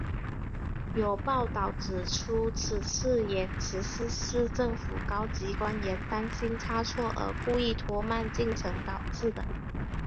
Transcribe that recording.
有报导指出此次延迟是市政府高级官员担心差错而故意拖慢进程导致的。